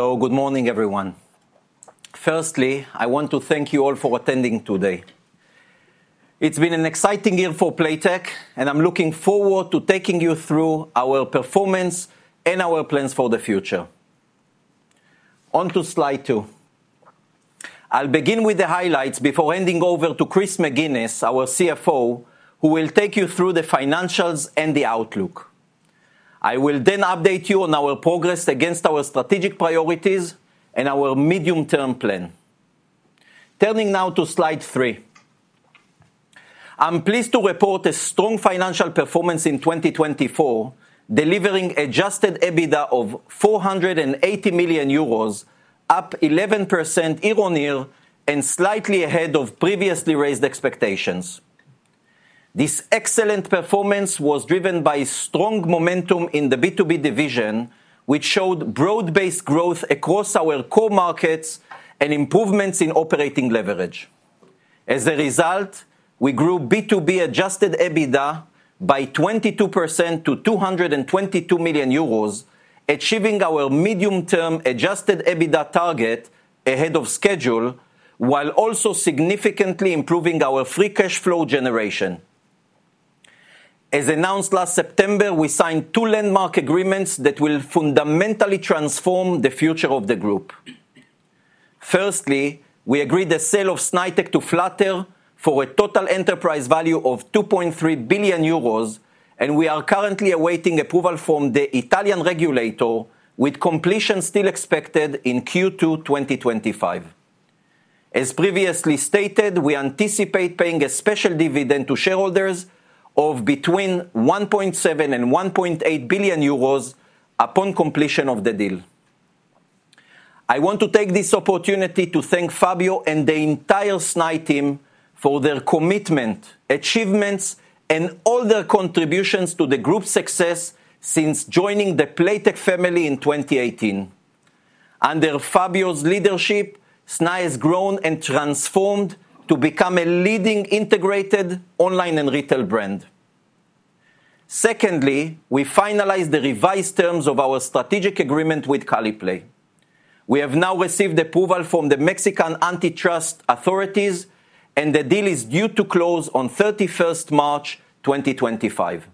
Good morning, everyone. Firstly, I want to thank you all for attending today. It's been an exciting year for Playtech, and I'm looking forward to taking you through our performance and our plans for the future. On to slide two. I'll begin with the highlights before handing over to Chris McGinnis, our CFO, who will take you through the financials and the outlook. I will then update you on our progress against our strategic priorities and our medium-term plan. Turning now to slide three. I'm pleased to report a strong financial performance in 2024, delivering adjusted EBITDA of 480 million euros, up 11% year-on-year and slightly ahead of previously raised expectations. This excellent performance was driven by strong momentum in the B2B division, which showed broad-based growth across our core markets and improvements in operating leverage. As a result, we grew B2B adjusted EBITDA by 22% to 222 million euros, achieving our medium-term adjusted EBITDA target ahead of schedule, while also significantly improving our free cash flow generation. As announced last September, we signed two landmark agreements that will fundamentally transform the future of the group. Firstly, we agreed the sale of Snaitech to Flutter for a total enterprise value of 2.3 billion euros, and we are currently awaiting approval from the Italian regulator, with completion still expected in Q2 2025. As previously stated, we anticipate paying a special dividend to shareholders of between 1.7 billion and 1.8 billion euros upon completion of the deal. I want to take this opportunity to thank Fabio and the entire Snaitech team for their commitment, achievements, and all their contributions to the group's success since joining the Playtech family in 2018. Under Fabio's leadership, Snaitech has grown and transformed to become a leading integrated online and retail brand. Secondly, we finalized the revised terms of our strategic agreement with Caliplay. We have now received approval from the Mexican antitrust authorities, and the deal is due to close on 31 March 2025.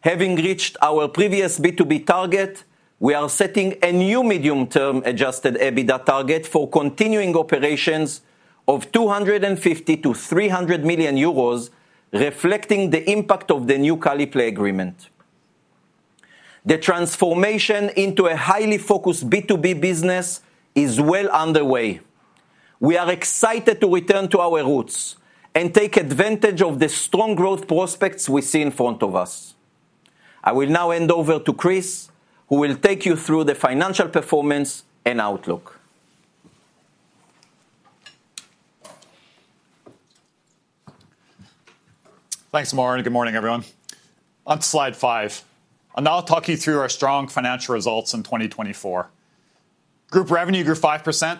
Having reached our previous B2B target, we are setting a new medium-term adjusted EBITDA target for continuing operations of 250 million-300 million euros, reflecting the impact of the new Caliplay agreement. The transformation into a highly focused B2B business is well underway. We are excited to return to our roots and take advantage of the strong growth prospects we see in front of us. I will now hand over to Chris, who will take you through the financial performance and outlook. Thanks, Mor. Good morning, everyone. On to slide five. I'll now talk you through our strong financial results in 2024. Group revenue grew 5%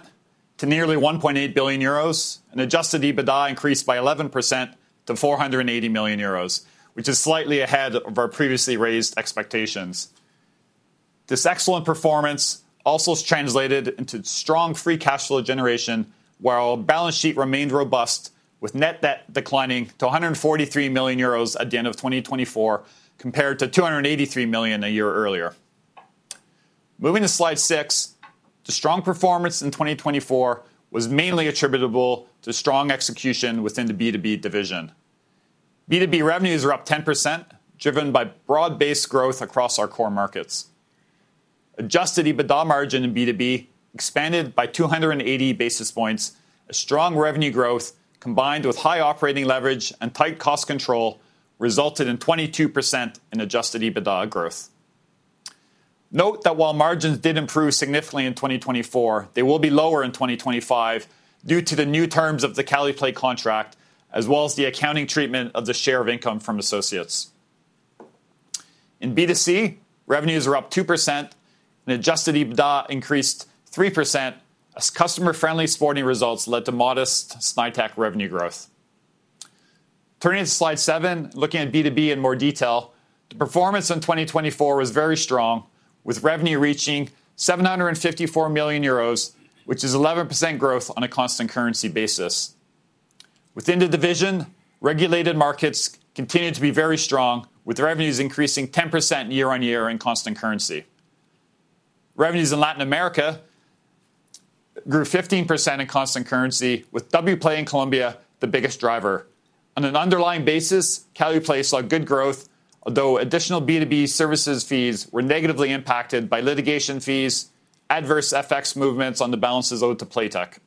to nearly 1.8 billion euros, and adjusted EBITDA increased by 11% to 480 million euros, which is slightly ahead of our previously raised expectations. This excellent performance also translated into strong free cash flow generation, while our balance sheet remained robust, with net debt declining to 143 million euros at the end of 2024, compared to 283 million a year earlier. Moving to slide six, the strong performance in 2024 was mainly attributable to strong execution within the B2B division. B2B revenues were up 10%, driven by broad-based growth across our core markets. Adjusted EBITDA margin in B2B expanded by 280 basis points. Strong revenue growth, combined with high operating leverage and tight cost control, resulted in 22% in adjusted EBITDA growth. Note that while margins did improve significantly in 2024, they will be lower in 2025 due to the new terms of the Caliplay contract, as well as the accounting treatment of the share of income from associates. In B2C, revenues were up 2%, and adjusted EBITDA increased 3%, as customer-friendly sporting results led to modest Snaitech revenue growth. Turning to slide seven, looking at B2B in more detail, the performance in 2024 was very strong, with revenue reaching 754 million euros, which is 11% growth on a constant currency basis. Within the division, regulated markets continued to be very strong, with revenues increasing 10% year-on-year in constant currency. Revenues in Latin America grew 15% in constant currency, with Wplay in Colombia the biggest driver. On an underlying basis, Caliplay saw good growth, although additional B2B services fees were negatively impacted by litigation fees, adverse FX movements on the balances owed to Playtech.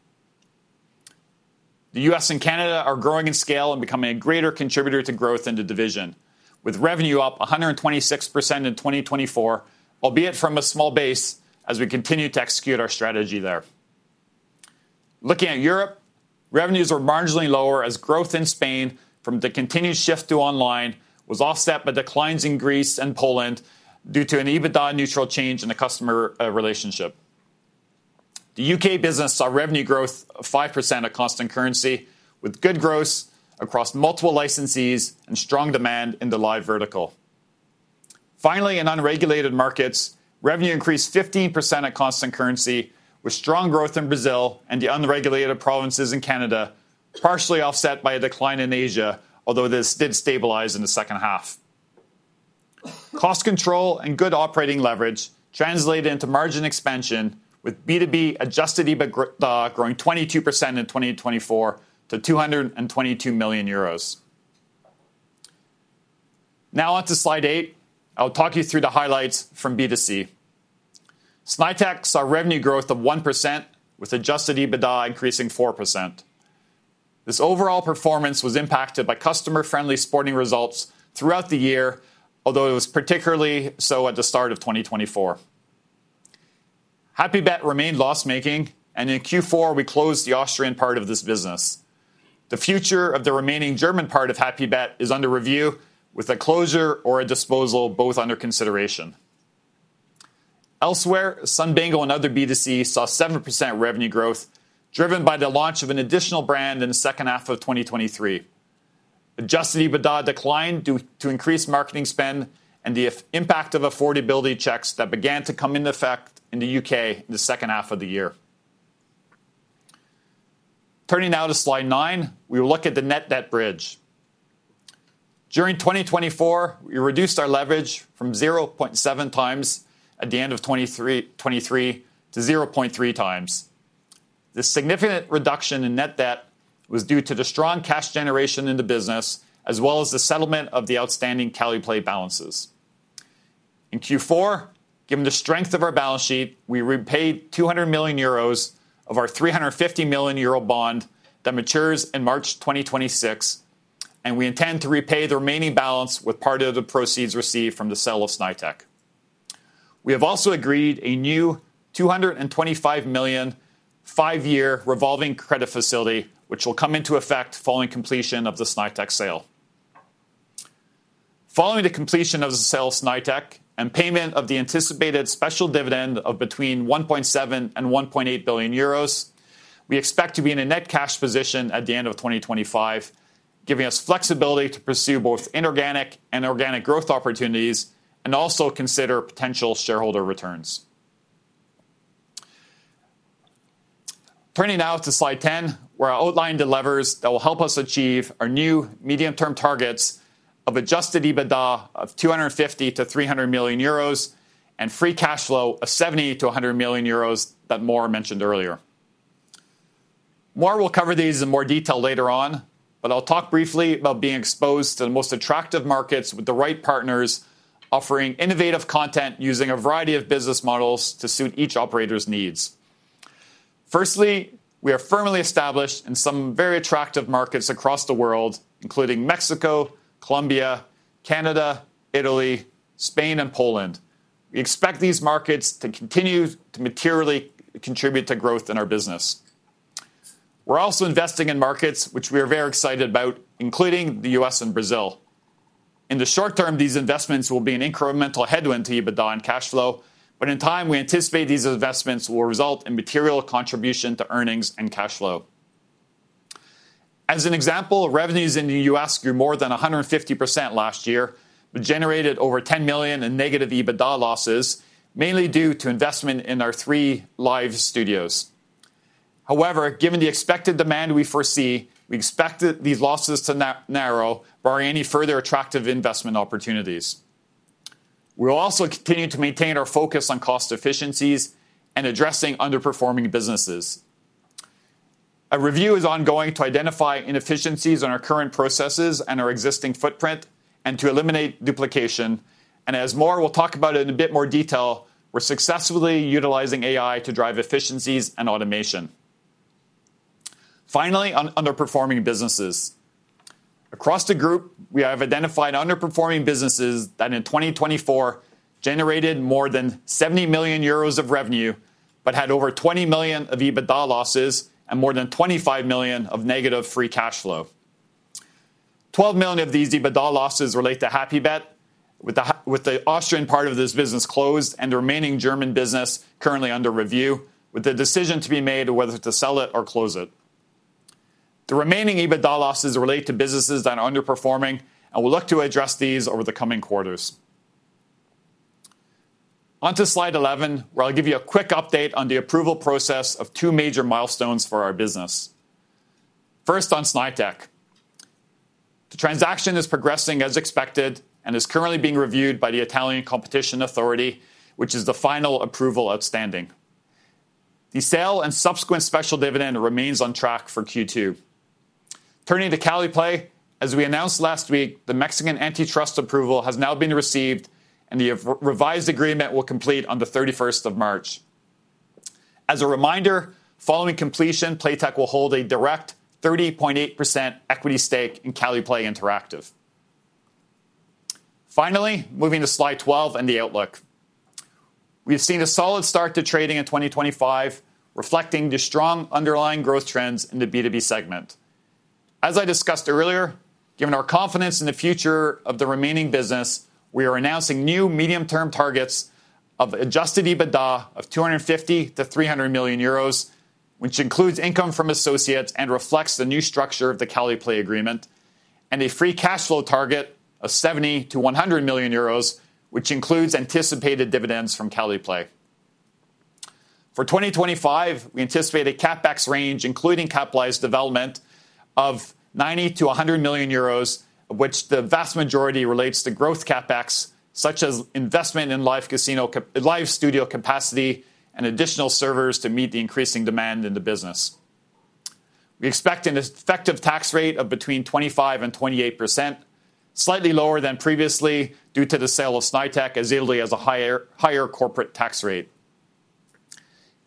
The U.S. and Canada are growing in scale and becoming a greater contributor to growth in the division, with revenue up 126% in 2024, albeit from a small base as we continue to execute our strategy there. Looking at Europe, revenues were marginally lower as growth in Spain from the continued shift to online was offset by declines in Greece and Poland due to an EBITDA neutral change in the customer relationship. The U.K. business saw revenue growth of 5% at constant currency, with good growth across multiple licensees and strong demand in the Live vertical. Finally, in unregulated markets, revenue increased 15% at constant currency, with strong growth in Brazil and the unregulated provinces in Canada, partially offset by a decline in Asia, although this did stabilize in the second half. Cost control and good operating leverage translated into margin expansion, with B2B adjusted EBITDA growing 22% in 2024 to 222 million euros. Now, on to slide eight, I'll talk you through the highlights from B2C. Snaitech saw revenue growth of 1%, with adjusted EBITDA increasing 4%. This overall performance was impacted by customer-friendly sporting results throughout the year, although it was particularly so at the start of 2024. HappyBet remained loss-making, and in Q4, we closed the Austrian part of this business. The future of the remaining German part of HappyBet is under review, with a closure or a disposal both under consideration. Elsewhere, Sun Bingo and other B2Cs saw 7% revenue growth, driven by the launch of an additional brand in the second half of 2023. Adjusted EBITDA declined due to increased marketing spend and the impact of affordability checks that began to come into effect in the U.K. in the second half of the year. Turning now to slide nine, we will look at the net debt bridge. During 2024, we reduced our leverage from 0.7 times at the end of 2023 to 0.3 times. This significant reduction in net debt was due to the strong cash generation in the business, as well as the settlement of the outstanding Caliplay balances. In Q4, given the strength of our balance sheet, we repaid 200 million euros of our 350 million euro bond that matures in March 2026, and we intend to repay the remaining balance with part of the proceeds received from the sale of Snaitech. We have also agreed a new 225 million five-year revolving credit facility, which will come into effect following completion of the Snaitech sale. Following the completion of the sale of Snaitech and payment of the anticipated special dividend of between 1.7 billion and 1.8 billion euros, we expect to be in a net cash position at the end of 2025, giving us flexibility to pursue both inorganic and organic growth opportunities and also consider potential shareholder returns. Turning now to slide ten, where I outlined the levers that will help us achieve our new medium-term targets of adjusted EBITDA of 250 million-300 million euros and free cash flow of 70 million-100 million euros that Mor mentioned earlier. Mor will cover these in more detail later on, but I'll talk briefly about being exposed to the most attractive markets with the right partners offering innovative content using a variety of business models to suit each operator's needs. Firstly, we are firmly established in some very attractive markets across the world, including Mexico, Colombia, Canada, Italy, Spain, and Poland. We expect these markets to continue to materially contribute to growth in our business. We're also investing in markets which we are very excited about, including the U.S. and Brazil. In the short term, these investments will be an incremental headwind to EBITDA and cash flow, but in time, we anticipate these investments will result in material contribution to earnings and cash flow. As an example, revenues in the U.S. grew more than 150% last year, but generated over 10 million in negative EBITDA losses, mainly due to investment in our three live studios. However, given the expected demand we foresee, we expect these losses to narrow, barring any further attractive investment opportunities. We will also continue to maintain our focus on cost efficiencies and addressing underperforming businesses. A review is ongoing to identify inefficiencies in our current processes and our existing footprint and to eliminate duplication. As Mor will talk about in a bit more detail, we're successfully utilizing AI to drive efficiencies and automation. Finally, on underperforming businesses. Across the group, we have identified underperforming businesses that in 2024 generated more than 70 million euros of revenue, but had over 20 million of EBITDA losses and more than 25 million of negative free cash flow. 12 million of these EBITDA losses relate to HappyBet, with the Austrian part of this business closed and the remaining German business currently under review, with the decision to be made whether to sell it or close it. The remaining EBITDA losses relate to businesses that are underperforming, and we'll look to address these over the coming quarters. On to slide 11, where I'll give you a quick update on the approval process of two major milestones for our business. First, on Snaitech. The transaction is progressing as expected and is currently being reviewed by the Italian Competition Authority, which is the final approval outstanding. The sale and subsequent special dividend remains on track for Q2. Turning to Caliplay, as we announced last week, the Mexican antitrust approval has now been received, and the revised agreement will complete on the 31st of March. As a reminder, following completion, Playtech will hold a direct 30.8% equity stake in Caliplay Interactive. Finally, moving to slide 12 and the outlook. We have seen a solid start to trading in 2025, reflecting the strong underlying growth trends in the B2B segment. As I discussed earlier, given our confidence in the future of the remaining business, we are announcing new medium-term targets of adjusted EBITDA of 250 million-300 million euros, which includes income from associates and reflects the new structure of the Caliplay agreement, and a free cash flow target of 70 million-100 million euros, which includes anticipated dividends from Caliplay. For 2025, we anticipate a CapEx range, including capitalized development, of 90 million-100 million euros, of which the vast majority relates to growth CapEx, such as investment in live studio capacity and additional servers to meet the increasing demand in the business. We expect an effective tax rate of between 25%-28%, slightly lower than previously due to the sale of Snaitech, as Italy has a higher corporate tax rate.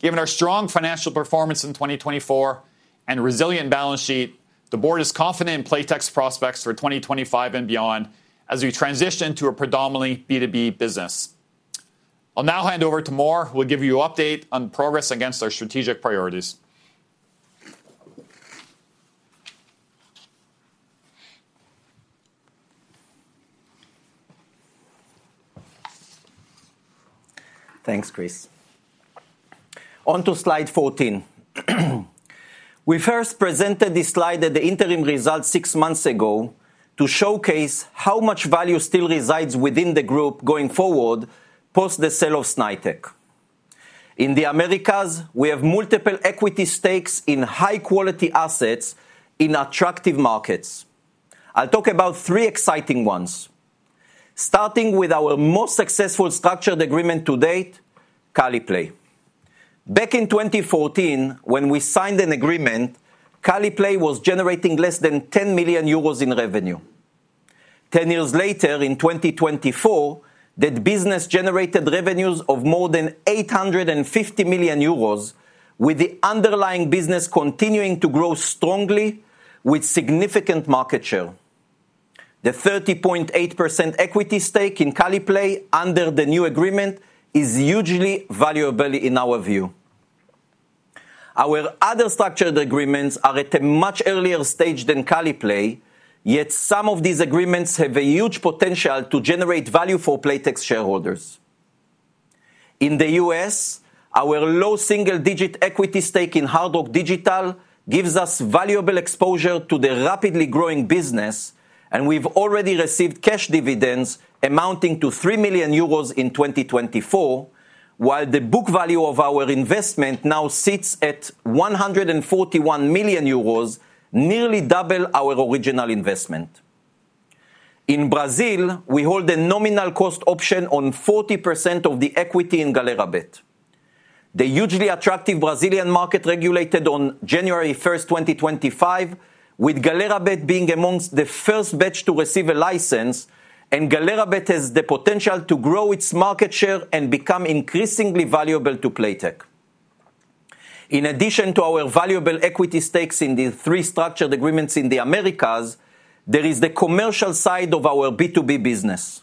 Given our strong financial performance in 2024 and resilient balance sheet, the board is confident in Playtech's prospects for 2025 and beyond as we transition to a predominantly B2B business. I'll now hand over to Mor, who will give you an update on progress against our strategic priorities. Thanks, Chris. On to slide 14. We first presented this slide at the interim results six months ago to showcase how much value still resides within the group going forward post the sale of Snaitech. In the Americas, we have multiple equity stakes in high-quality assets in attractive markets. I'll talk about three exciting ones, starting with our most successful structured agreement to date, Caliplay. Back in 2014, when we signed an agreement, Caliplay was generating less than 10 million euros in revenue. Ten years later, in 2024, that business generated revenues of more than 850 million euros, with the underlying business continuing to grow strongly with significant market share. The 30.8% equity stake in Caliplay under the new agreement is hugely valuable in our view. Our other structured agreements are at a much earlier stage than Caliplay, yet some of these agreements have a huge potential to generate value for Playtech's shareholders. In the U.S., our low single-digit equity stake in Hard Rock Digital gives us valuable exposure to the rapidly growing business, and we've already received cash dividends amounting to 3 million euros in 2024, while the book value of our investment now sits at 141 million euros, nearly double our original investment. In Brazil, we hold a nominal cost option on 40% of the equity in Galera.bet. The hugely attractive Brazilian market regulated on January 1st, 2025, with Galera.bet being amongst the first batch to receive a license, and Galera.bet has the potential to grow its market share and become increasingly valuable to Playtech. In addition to our valuable equity stakes in the three structured agreements in the Americas, there is the commercial side of our B2B business.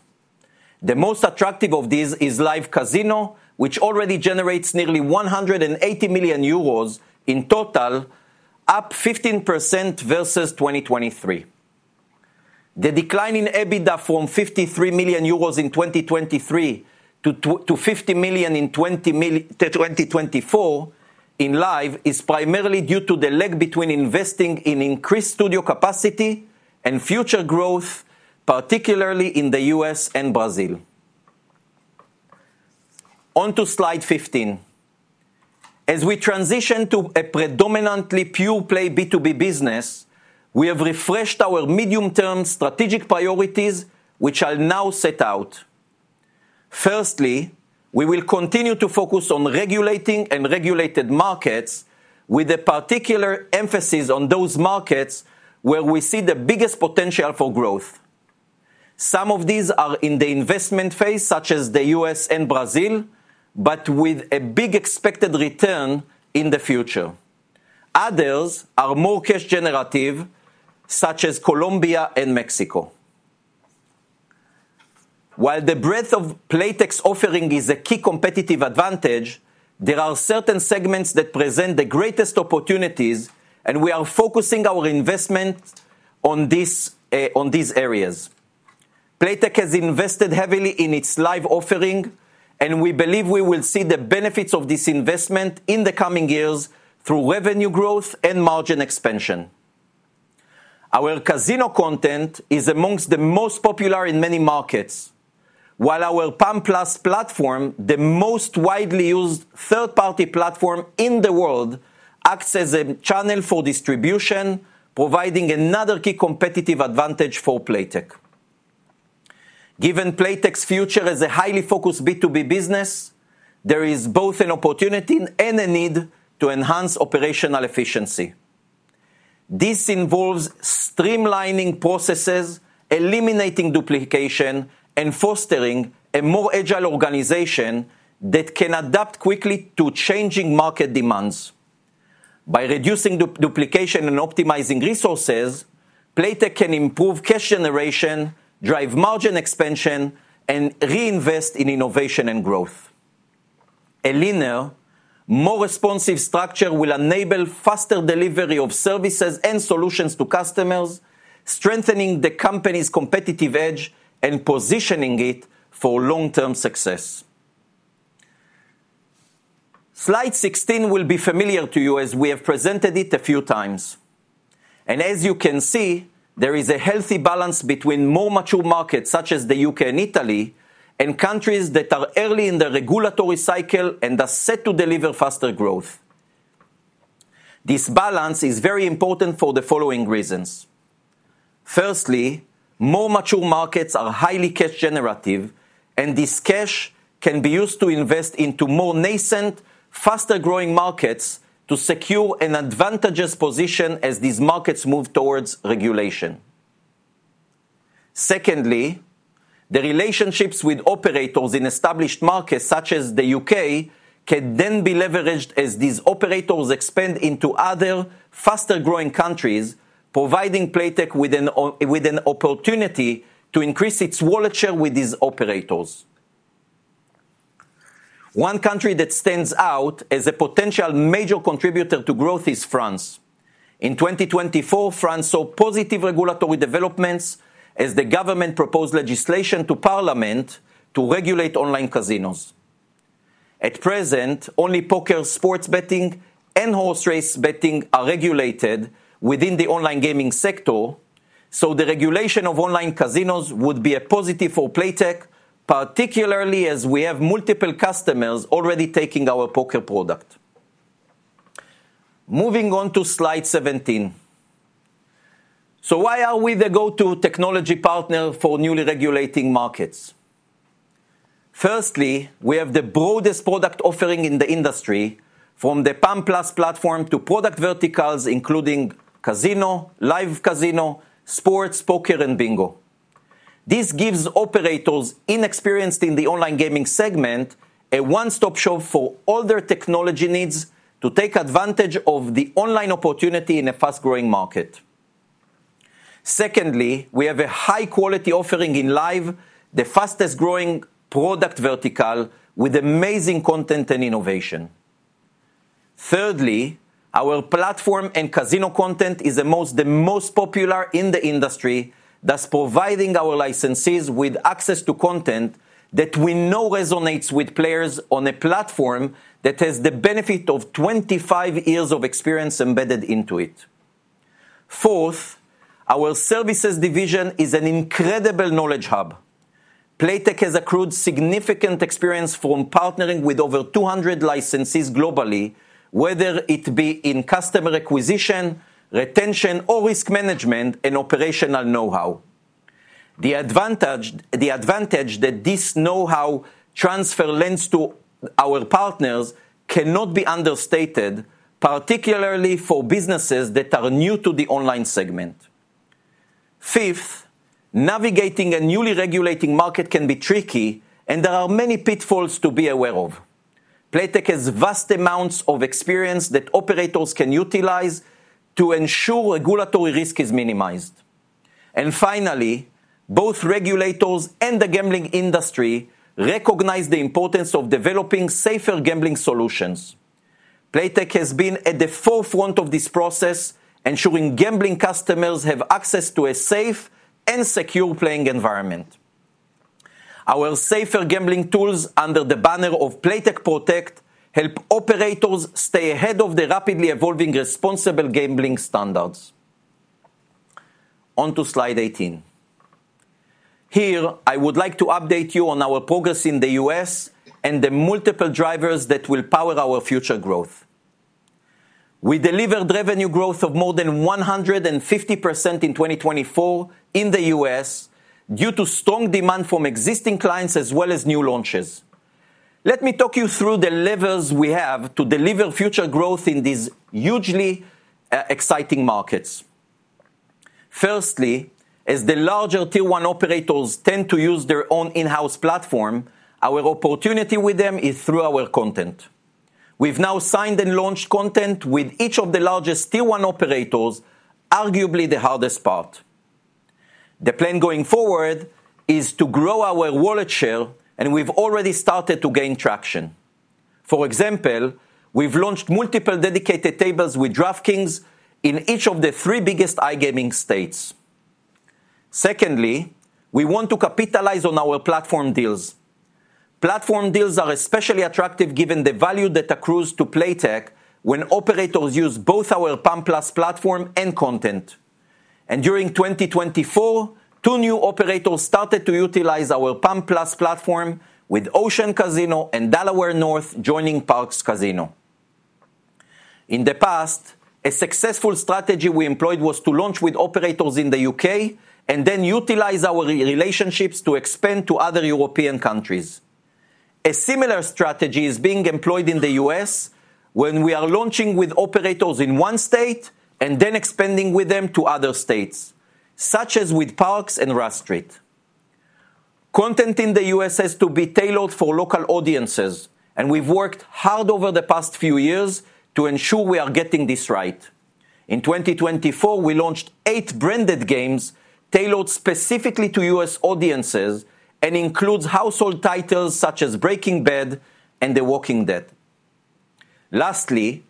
The most attractive of these is Live Casino, which already generates nearly 180 million euros in total, up 15% versus 2023. The decline in EBITDA from 53 million euros in 2023 to 50 million in 2024 in Live is primarily due to the lag between investing in increased studio capacity and future growth, particularly in the U.S. and Brazil. On to slide 15. As we transition to a predominantly pure play B2B business, we have refreshed our medium-term strategic priorities, which I'll now set out. Firstly, we will continue to focus on regulating and regulated markets, with a particular emphasis on those markets where we see the biggest potential for growth. Some of these are in the investment phase, such as the U.S. and Brazil, but with a big expected return in the future. Others are more cash generative, such as Colombia and Mexico. While the breadth of Playtech's offering is a key competitive advantage, there are certain segments that present the greatest opportunities, and we are focusing our investment on these areas. Playtech has invested heavily in its live offering, and we believe we will see the benefits of this investment in the coming years through revenue growth and margin expansion. Our casino content is amongst the most popular in many markets, while our PAM+ platform, the most widely used third-party platform in the world, acts as a channel for distribution, providing another key competitive advantage for Playtech. Given Playtech's future as a highly focused B2B business, there is both an opportunity and a need to enhance operational efficiency. This involves streamlining processes, eliminating duplication, and fostering a more agile organization that can adapt quickly to changing market demands. By reducing duplication and optimizing resources, Playtech can improve cash generation, drive margin expansion, and reinvest in innovation and growth. A leaner, more responsive structure will enable faster delivery of services and solutions to customers, strengthening the company's competitive edge and positioning it for long-term success. Slide 16 will be familiar to you as we have presented it a few times. As you can see, there is a healthy balance between more mature markets such as the U.K. and Italy, and countries that are early in the regulatory cycle and are set to deliver faster growth. This balance is very important for the following reasons. Firstly, more mature markets are highly cash generative, and this cash can be used to invest into more nascent, faster-growing markets to secure an advantageous position as these markets move towards regulation. Secondly, the relationships with operators in established markets such as the U.K. can then be leveraged as these operators expand into other faster-growing countries, providing Playtech with an opportunity to increase its wallet share with these operators. One country that stands out as a potential major contributor to growth is France. In 2024, France saw positive regulatory developments as the government proposed legislation to Parliament to regulate online casinos. At present, only poker, sports betting, and horse race betting are regulated within the online gaming sector, so the regulation of online casinos would be a positive for Playtech, particularly as we have multiple customers already taking our poker product. Moving on to slide 17. Why are we the go-to technology partner for newly regulating markets? Firstly, we have the broadest product offering in the industry, from the PAM+ platform to product verticals including casino, live casino, sports, poker, and bingo. This gives operators inexperienced in the online gaming segment a one-stop shop for all their technology needs to take advantage of the online opportunity in a fast-growing market. Secondly, we have a high-quality offering in Live, the fastest-growing product vertical with amazing content and innovation. Thirdly, our platform and casino content is amongst the most popular in the industry, thus providing our licensees with access to content that we know resonates with players on a platform that has the benefit of 25 years of experience embedded into it. Fourth, our services division is an incredible knowledge hub. Playtech has accrued significant experience from partnering with over 200 licensees globally, whether it be in customer acquisition, retention, or risk management and operational know-how. The advantage that this know-how transfer lends to our partners cannot be understated, particularly for businesses that are new to the online segment. Fifth, navigating a newly regulating market can be tricky, and there are many pitfalls to be aware of. Playtech has vast amounts of experience that operators can utilize to ensure regulatory risk is minimized. Finally, both regulators and the gambling industry recognize the importance of developing safer gambling solutions. Playtech has been at the forefront of this process, ensuring gambling customers have access to a safe and secure playing environment. Our safer gambling tools under the banner of Playtech Protect help operators stay ahead of the rapidly evolving responsible gambling standards. On to slide 18. Here, I would like to update you on our progress in the U.S. and the multiple drivers that will power our future growth. We delivered revenue growth of more than 150% in 2024 in the U.S. due to strong demand from existing clients as well as new launches. Let me talk you through the levers we have to deliver future growth in these hugely exciting markets. Firstly, as the larger tier-one operators tend to use their own in-house platform, our opportunity with them is through our content. We've now signed and launched content with each of the largest tier-one operators, arguably the hardest part. The plan going forward is to grow our wallet share, and we've already started to gain traction. For example, we've launched multiple dedicated tables with DraftKings in each of the three biggest iGaming states. Secondly, we want to capitalize on our platform deals. Platform deals are especially attractive given the value that accrues to Playtech when operators use both our PAM+ platform and content. During 2024, two new operators started to utilize our PAM+ platform with Ocean Casino and Delaware North joining Parx Casino. In the past, a successful strategy we employed was to launch with operators in the U.K. and then utilize our relationships to expand to other European countries. A similar strategy is being employed in the U.S. when we are launching with operators in one state and then expanding with them to other states, such as with Parx and Rush Street. Content in the U.S. has to be tailored for local audiences, and we've worked hard over the past few years to ensure we are getting this right. In 2024, we launched eight branded games tailored specifically to U.S. audiences and include household titles such as Breaking Bad and The Walking Dead. Lastly,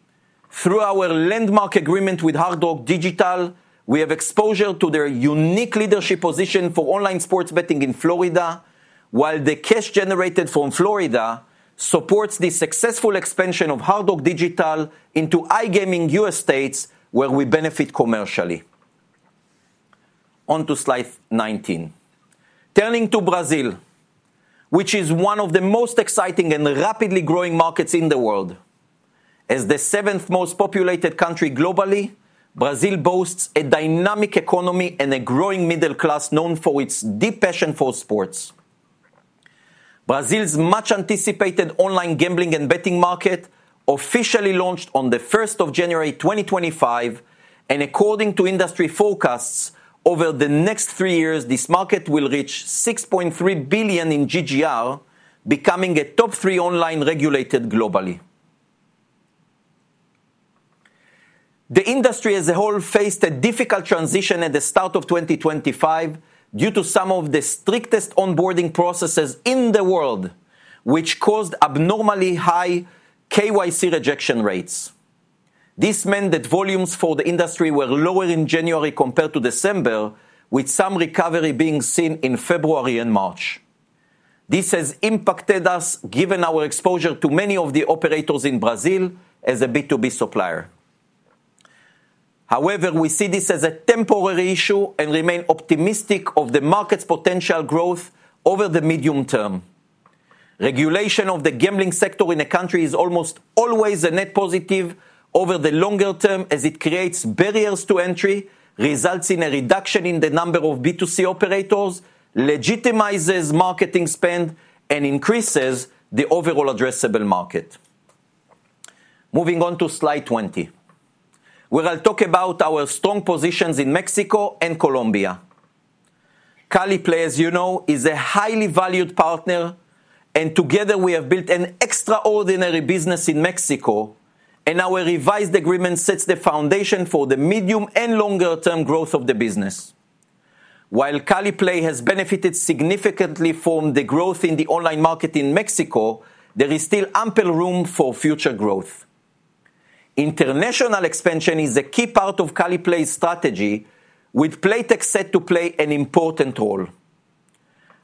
through our landmark agreement with Hard Rock Digital, we have exposure to their unique leadership position for online sports betting in Florida, while the cash generated from Florida supports the successful expansion of Hard Rock Digital into iGaming U.S. states where we benefit commercially. On to slide 19. Turning to Brazil, which is one of the most exciting and rapidly growing markets in the world. As the seventh most populated country globally, Brazil boasts a dynamic economy and a growing middle class known for its deep passion for sports. Brazil's much-anticipated online gambling and betting market officially launched on the 1st of January 2025, and according to industry forecasts, over the next three years, this market will reach 6.3 billion in GGR, becoming a top three online regulated globally. The industry as a whole faced a difficult transition at the start of 2025 due to some of the strictest onboarding processes in the world, which caused abnormally high KYC rejection rates. This meant that volumes for the industry were lower in January compared to December, with some recovery being seen in February and March. This has impacted us, given our exposure to many of the operators in Brazil as a B2B supplier. However, we see this as a temporary issue and remain optimistic of the market's potential growth over the medium term. Regulation of the gambling sector in a country is almost always a net positive over the longer term, as it creates barriers to entry, results in a reduction in the number of B2C operators, legitimizes marketing spend, and increases the overall addressable market. Moving on to slide 20, where I'll talk about our strong positions in Mexico and Colombia. Caliplay, as you know, is a highly valued partner, and together we have built an extraordinary business in Mexico, and our revised agreement sets the foundation for the medium and longer-term growth of the business. While Caliplay has benefited significantly from the growth in the online market in Mexico, there is still ample room for future growth. International expansion is a key part of Caliplay's strategy, with Playtech set to play an important role.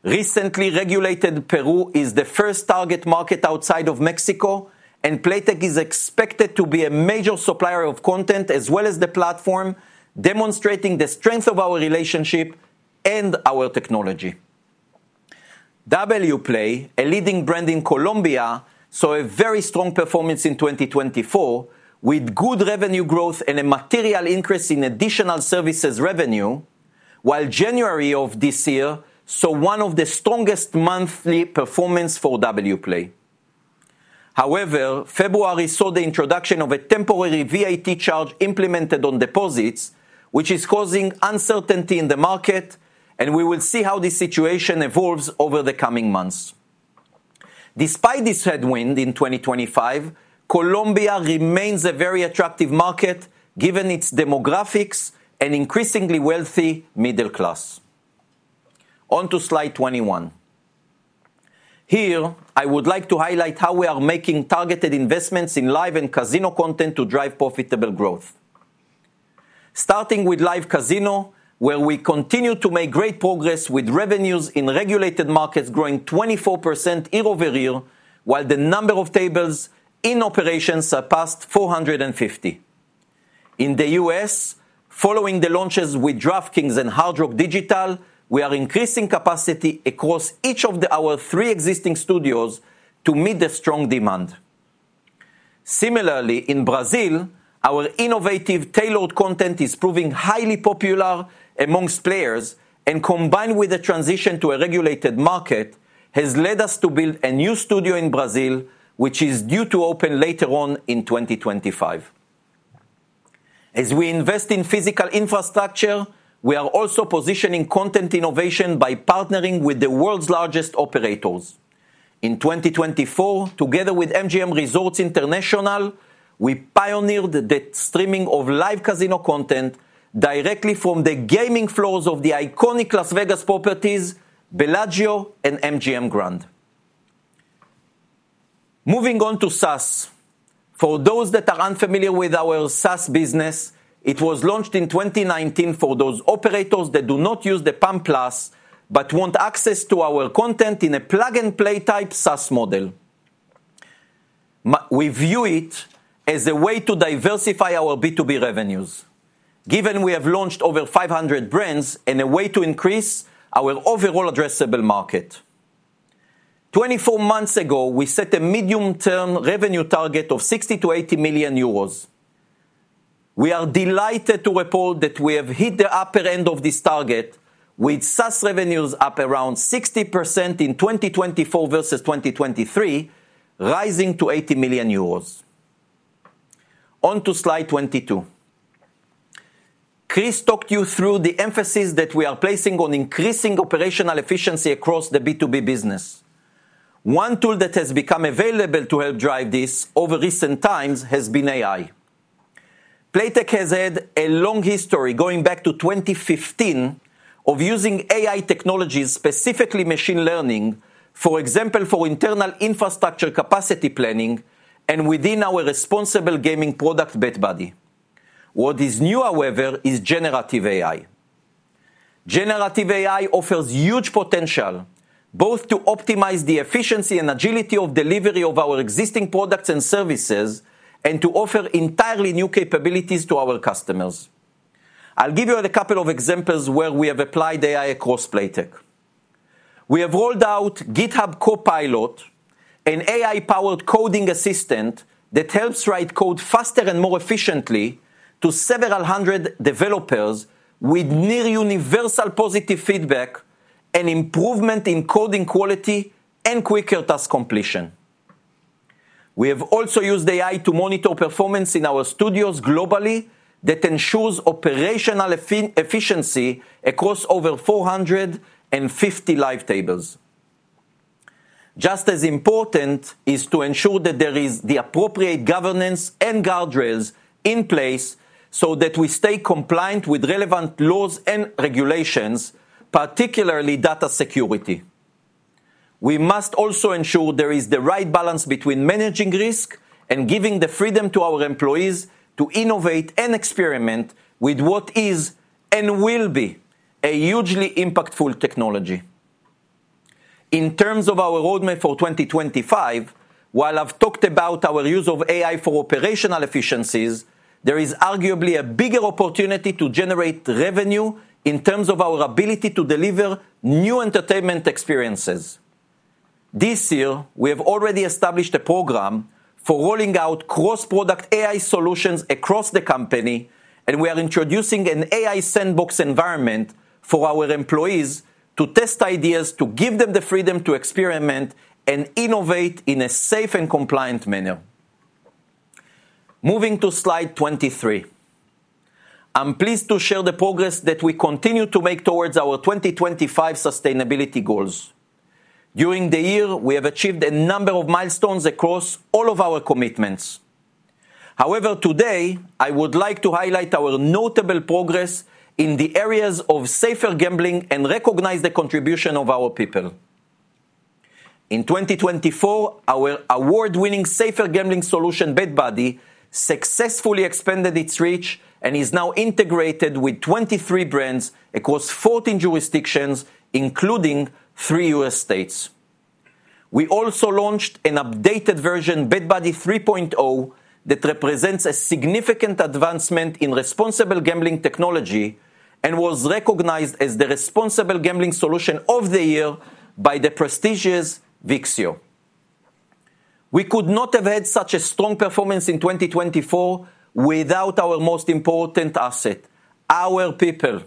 Recently regulated, Peru is the first target market outside of Mexico, and Playtech is expected to be a major supplier of content as well as the platform, demonstrating the strength of our relationship and our technology. Wplay, a leading brand in Colombia, saw a very strong performance in 2024, with good revenue growth and a material increase in additional services revenue, while January of this year saw one of the strongest monthly performances for Wplay. However, February saw the introduction of a temporary VAT charge implemented on deposits, which is causing uncertainty in the market, and we will see how this situation evolves over the coming months. Despite this headwind in 2025, Colombia remains a very attractive market given its demographics and increasingly wealthy middle class. On to slide 21. Here, I would like to highlight how we are making targeted investments in live and casino content to drive profitable growth. Starting with Live Casino, where we continue to make great progress with revenues in regulated markets growing 24% year over year, while the number of tables in operation surpassed 450. In the U.S., following the launches with DraftKings and Hard Rock Digital, we are increasing capacity across each of our three existing studios to meet the strong demand. Similarly, in Brazil, our innovative tailored content is proving highly popular amongst players, and combined with the transition to a regulated market, has led us to build a new studio in Brazil, which is due to open later on in 2025. As we invest in physical infrastructure, we are also positioning content innovation by partnering with the world's largest operators. In 2024, together with MGM Resorts International, we pioneered the streaming of live casino content directly from the gaming floors of the iconic Las Vegas properties, Bellagio, and MGM Grand. Moving on to SaaS. For those that are unfamiliar with our SaaS business, it was launched in 2019 for those operators that do not use the PAM+ but want access to our content in a plug-and-play type SaaS model. We view it as a way to diversify our B2B revenues, given we have launched over 500 brands and a way to increase our overall addressable market. Twenty-four months ago, we set a medium-term revenue target of 60 million-80 million euros. We are delighted to report that we have hit the upper end of this target, with SaaS revenues up around 60% in 2024 versus 2023, rising to 80 million euros. On to slide 22. Chris talked you through the emphasis that we are placing on increasing operational efficiency across the B2B business. One tool that has become available to help drive this over recent times has been AI. Playtech has had a long history going back to 2015 of using AI technologies, specifically machine learning, for example, for internal infrastructure capacity planning and within our responsible gaming product BetBuddy. What is new, however, is generative AI. Generative AI offers huge potential both to optimize the efficiency and agility of delivery of our existing products and services and to offer entirely new capabilities to our customers. I'll give you a couple of examples where we have applied AI across Playtech. We have rolled out GitHub Copilot, an AI-powered coding assistant that helps write code faster and more efficiently to several hundred developers with near-universal positive feedback and improvement in coding quality and quicker task completion. We have also used AI to monitor performance in our studios globally that ensures operational efficiency across over 450 live tables. Just as important is to ensure that there is the appropriate governance and guardrails in place so that we stay compliant with relevant laws and regulations, particularly data security. We must also ensure there is the right balance between managing risk and giving the freedom to our employees to innovate and experiment with what is and will be a hugely impactful technology. In terms of our roadmap for 2025, while I've talked about our use of AI for operational efficiencies, there is arguably a bigger opportunity to generate revenue in terms of our ability to deliver new entertainment experiences. This year, we have already established a program for rolling out cross-product AI solutions across the company, and we are introducing an AI sandbox environment for our employees to test ideas, to give them the freedom to experiment and innovate in a safe and compliant manner. Moving to slide 23, I'm pleased to share the progress that we continue to make towards our 2025 sustainability goals. During the year, we have achieved a number of milestones across all of our commitments. However, today, I would like to highlight our notable progress in the areas of safer gambling and recognize the contribution of our people. In 2024, our award-winning safer gambling solution, BetBuddy, successfully expanded its reach and is now integrated with 23 brands across 14 jurisdictions, including three U.S. states. We also launched an updated version, BetBuddy 3.0, that represents a significant advancement in responsible gambling technology and was recognized as the responsible gambling solution of the year by the prestigious VIXIO. We could not have had such a strong performance in 2024 without our most important asset, our people.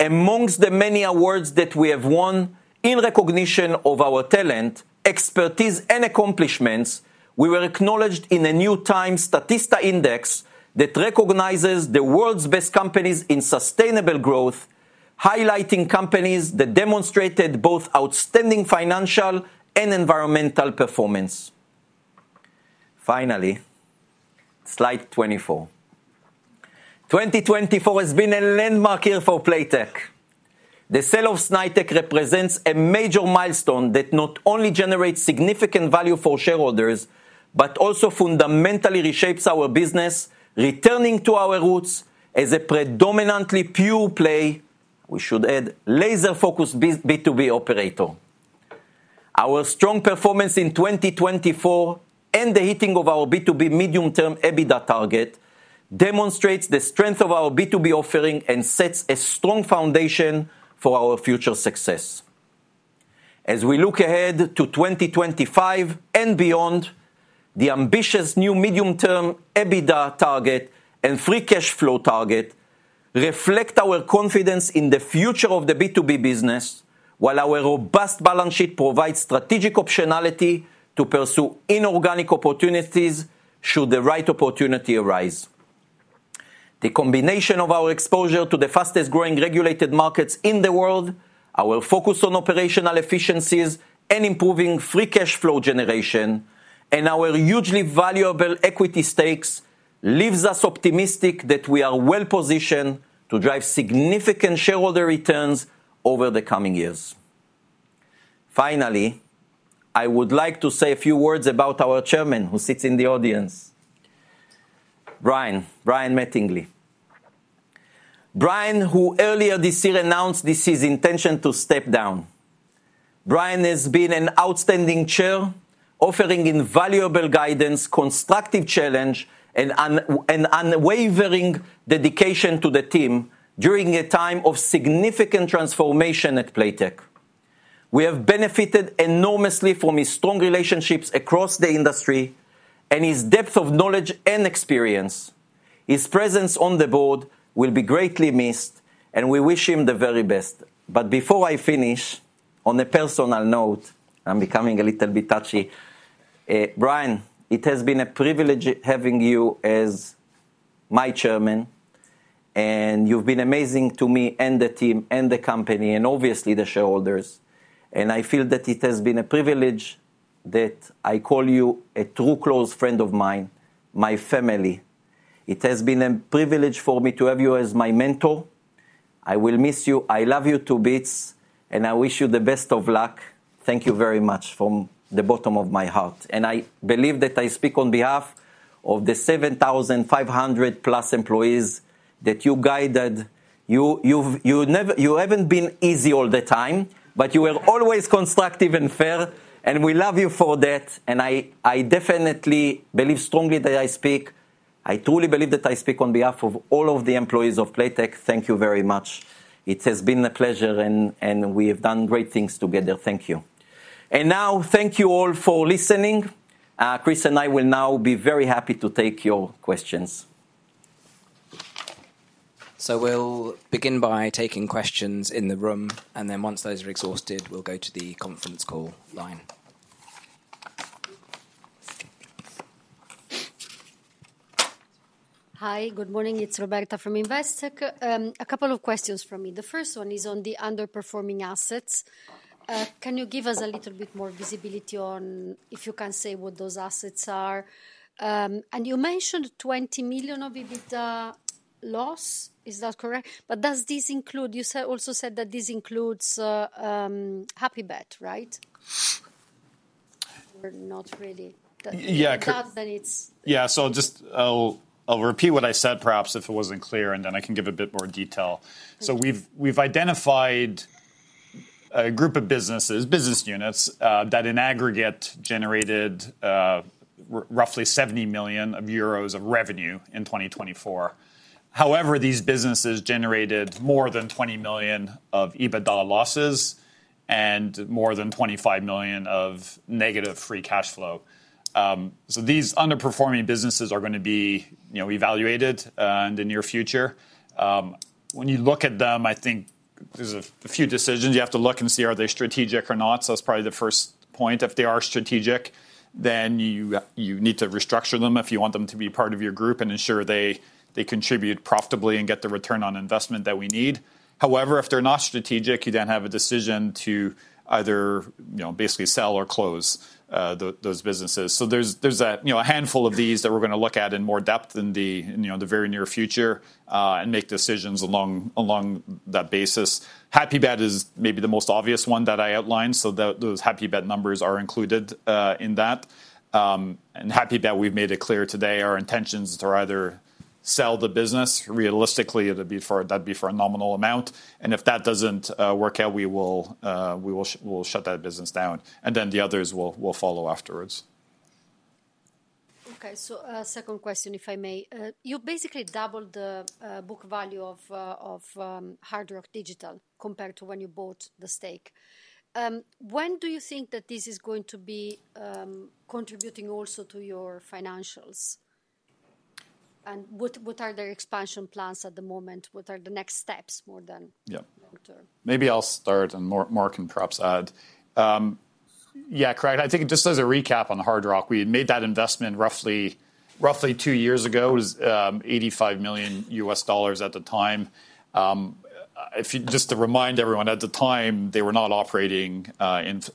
Amongst the many awards that we have won in recognition of our talent, expertise, and accomplishments, we were acknowledged in a new TIME Statista index that recognizes the world's best companies in sustainable growth, highlighting companies that demonstrated both outstanding financial and environmental performance. Finally, slide 24. 2024 has been a landmark year for Playtech. The sale of Snaitech represents a major milestone that not only generates significant value for shareholders but also fundamentally reshapes our business, returning to our roots as a predominantly pure play, we should add, laser-focused B2B operator. Our strong performance in 2024 and the hitting of our B2B medium-term EBITDA target demonstrates the strength of our B2B offering and sets a strong foundation for our future success. As we look ahead to 2025 and beyond, the ambitious new medium-term EBITDA target and free cash flow target reflect our confidence in the future of the B2B business, while our robust balance sheet provides strategic optionality to pursue inorganic opportunities should the right opportunity arise. The combination of our exposure to the fastest-growing regulated markets in the world, our focus on operational efficiencies and improving free cash flow generation, and our hugely valuable equity stakes leaves us optimistic that we are well-positioned to drive significant shareholder returns over the coming years. Finally, I would like to say a few words about our Chairman who sits in the audience, Brian Mattingley. Brian, who earlier this year announced his intention to step down. Brian has been an outstanding chair, offering invaluable guidance, constructive challenge, and unwavering dedication to the team during a time of significant transformation at Playtech. We have benefited enormously from his strong relationships across the industry and his depth of knowledge and experience. His presence on the board will be greatly missed, and we wish him the very best. Before I finish, on a personal note, I'm becoming a little bit touchy. Brian, it has been a privilege having you as my chairman, and you've been amazing to me and the team and the company and obviously the shareholders. I feel that it has been a privilege that I call you a true close friend of mine, my family. It has been a privilege for me to have you as my mentor. I will miss you. I love you to bits, and I wish you the best of luck. Thank you very much from the bottom of my heart. I believe that I speak on behalf of the 7,500-plus employees that you guided. You have not been easy all the time, but you were always constructive and fair, and we love you for that. I definitely believe strongly that I speak. I truly believe that I speak on behalf of all of the employees of Playtech. Thank you very much. It has been a pleasure, and we have done great things together. Thank you. Thank you all for listening. Chris and I will now be very happy to take your questions. We will begin by taking questions in the room, and then once those are exhausted, we will go to the conference call line. Hi, good morning. It is Roberta from Investec. A couple of questions for me. The first one is on the underperforming assets. Can you give us a little bit more visibility on if you can say what those assets are? You mentioned 20 million of EBITDA loss. Is that correct? Does this include, you also said that this includes HappyBet, right? Or not really? Yeah. I'll repeat what I said, perhaps if it wasn't clear, and then I can give a bit more detail. We've identified a group of businesses, business units, that in aggregate generated roughly 70 million euros of revenue in 2024. However, these businesses generated more than 20 million of EBITDA losses and more than 25 million of negative free cash flow. These underperforming businesses are going to be evaluated in the near future. When you look at them, I think there's a few decisions. You have to look and see are they strategic or not. That is probably the first point. If they are strategic, then you need to restructure them if you want them to be part of your group and ensure they contribute profitably and get the return on investment that we need. However, if they are not strategic, you then have a decision to either basically sell or close those businesses. There is a handful of these that we are going to look at in more depth in the very near future and make decisions along that basis. HappyBet is maybe the most obvious one that I outlined, so those HappyBet numbers are included in that. HappyBet, we have made it clear today our intentions are either sell the business. Realistically, that would be for a nominal amount. If that does not work out, we will shut that business down. Then the others will follow afterwards. Okay. A second question, if I may. You basically doubled the book value of Hard Rock Digital compared to when you bought the stake. When do you think that this is going to be contributing also to your financials? What are their expansion plans at the moment? What are the next steps more than long-term? Maybe I'll start, and Mor can perhaps add. Yeah, correct. I think just as a recap on Hard Rock, we had made that investment roughly two years ago. It was $85 million at the time. Just to remind everyone, at the time, they were not operating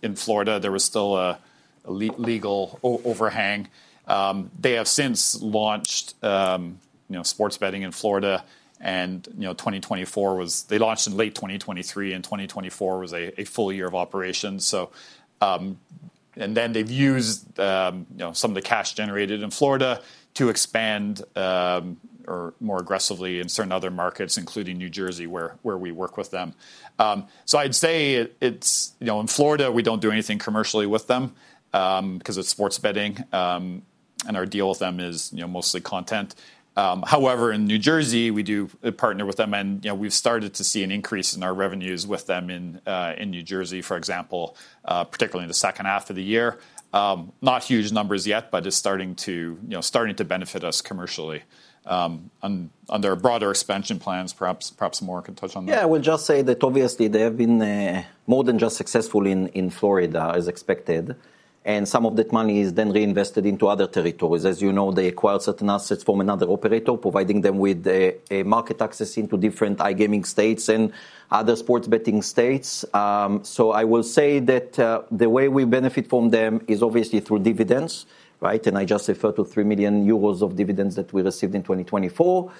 in Florida. There was still a legal overhang. They have since launched sports betting in Florida. In 2024, they launched in late 2023, and 2024 was a full year of operations. They have used some of the cash generated in Florida to expand more aggressively in certain other markets, including New Jersey, where we work with them. I would say in Florida, we do not do anything commercially with them because it is sports betting, and our deal with them is mostly content. However, in New Jersey, we do partner with them, and we have started to see an increase in our revenues with them in New Jersey, for example, particularly in the second half of the year. Not huge numbers yet, but it is starting to benefit us commercially under broader expansion plans. Perhaps Mor can touch on that. Yeah. I would just say that obviously they have been more than just successful in Florida, as expected. Some of that money is then reinvested into other territories. As you know, they acquired certain assets from another operator, providing them with market access into different iGaming states and other sports betting states. I will say that the way we benefit from them is obviously through dividends, right? I just referred to 3 million euros of dividends that we received in 2024.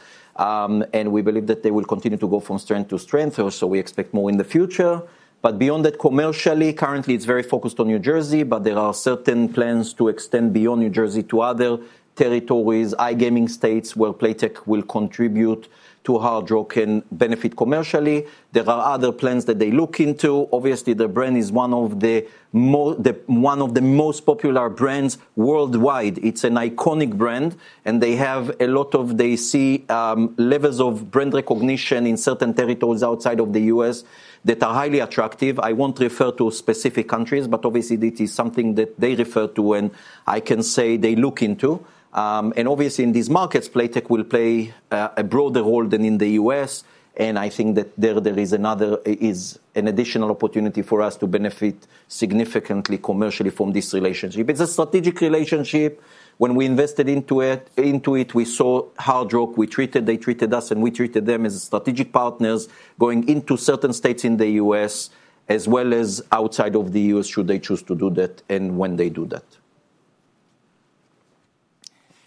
We believe that they will continue to go from strength to strength, or we expect more in the future. Beyond that, commercially, currently, it is very focused on New Jersey, but there are certain plans to extend beyond New Jersey to other territories, iGaming states, where Playtech will contribute to Hard Rock and benefit commercially. There are other plans that they look into. Obviously, their brand is one of the most popular brands worldwide. It's an iconic brand, and they have a lot of, they see levels of brand recognition in certain territories outside of the U.S. that are highly attractive. I won't refer to specific countries, but obviously, it is something that they refer to and I can say they look into. Obviously, in these markets, Playtech will play a broader role than in the U.S. I think that there is another, is an additional opportunity for us to benefit significantly commercially from this relationship. It's a strategic relationship. When we invested into it, we saw Hard Rock. They treated us, and we treated them as strategic partners going into certain states in the U.S., as well as outside of the U.S., should they choose to do that and when they do that.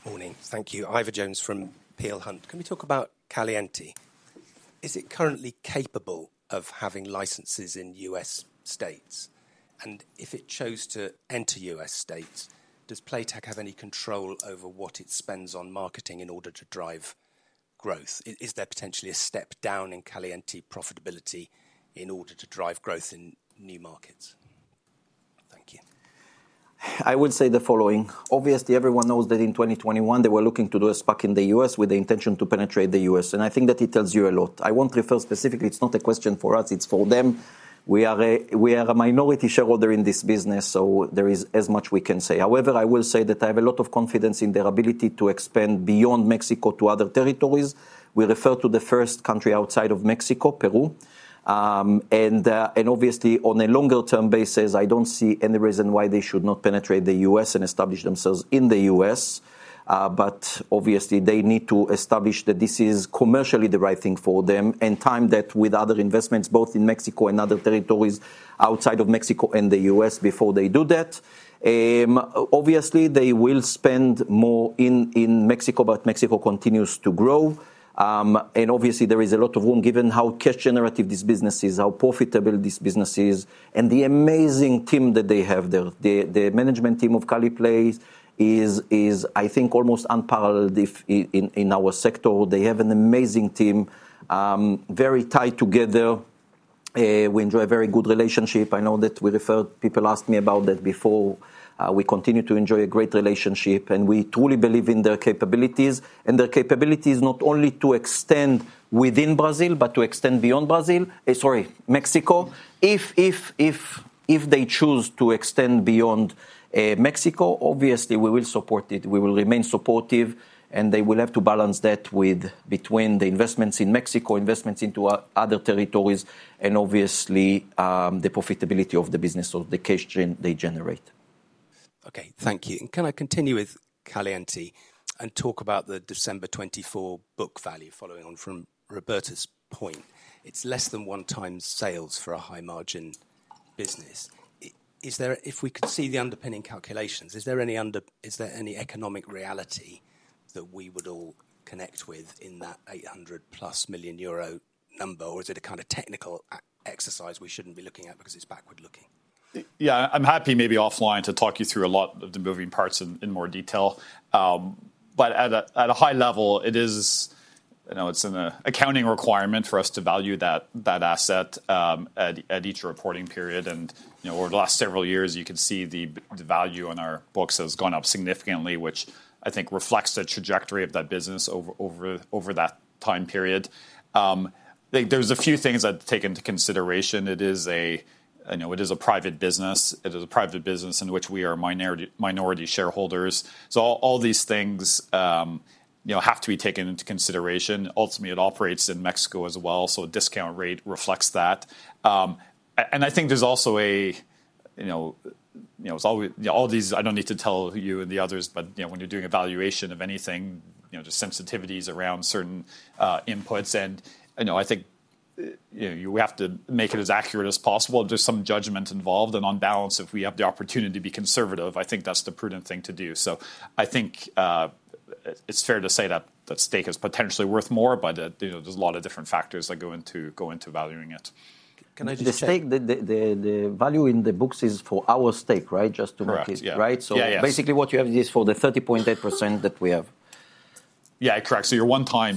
Morning. Thank you. Ivor Jones from Peel Hunt. Can we talk about Caliente? Is it currently capable of having licenses in U.S. states? If it chose to enter U.S. states, does Playtech have any control over what it spends on marketing in order to drive growth? Is there potentially a step down in Caliente profitability in order to drive growth in new markets? Thank you. I would say the following. Obviously, everyone knows that in 2021, they were looking to do a spike in the U.S. with the intention to penetrate the U.S. I think that it tells you a lot. I will not refer specifically. It is not a question for us. It is for them. We are a minority shareholder in this business, so there is as much we can say. However, I will say that I have a lot of confidence in their ability to expand beyond Mexico to other territories. We refer to the first country outside of Mexico, Peru. Obviously, on a longer-term basis, I do not see any reason why they should not penetrate the U.S. and establish themselves in the U.S. Obviously, they need to establish that this is commercially the right thing for them and time that with other investments, both in Mexico and other territories outside of Mexico and the U.S., before they do that. Obviously, they will spend more in Mexico, but Mexico continues to grow. Obviously, there is a lot of room given how cash-generative this business is, how profitable this business is, and the amazing team that they have there. The management team of Caliplay is, I think, almost unparalleled in our sector. They have an amazing team, very tied together. We enjoy a very good relationship. I know that we referred people asked me about that before. We continue to enjoy a great relationship, and we truly believe in their capabilities and their capabilities not only to extend within Brazil, but to extend beyond Brazil, sorry, Mexico. If they choose to extend beyond Mexico, obviously, we will support it. We will remain supportive, and they will have to balance that between the investments in Mexico, investments into other territories, and obviously, the profitability of the business or the cash they generate. Okay. Thank you. Can I continue with Caliente and talk about the December 2024 book value following on from Roberta's point? It's less than one-time sales for a high-margin business. If we could see the underpinning calculations, is there any economic reality that we would all connect with in that 800 million euro-plus number, or is it a kind of technical exercise we shouldn't be looking at because it's backward-looking? Yeah. I'm happy maybe offline to talk you through a lot of the moving parts in more detail. At a high level, it is an accounting requirement for us to value that asset at each reporting period. Over the last several years, you can see the value on our books has gone up significantly, which I think reflects the trajectory of that business over that time period. There are a few things I'd take into consideration. It is a private business. It is a private business in which we are minority shareholders. All these things have to be taken into consideration. Ultimately, it operates in Mexico as well, so a discount rate reflects that. I think there's also a all these I don't need to tell you and the others, but when you're doing evaluation of anything, there's sensitivities around certain inputs. I think you have to make it as accurate as possible. There's some judgment involved, and on balance, if we have the opportunity to be conservative, I think that's the prudent thing to do. I think it's fair to say that the stake is potentially worth more, but there's a lot of different factors that go into valuing it. Can I just add? The value in the books is for our stake, right? Just to make it right. Basically, what you have is for the 30.8% that we have. Yeah, correct. The one-time